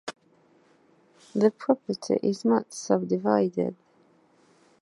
The property is much subdivided.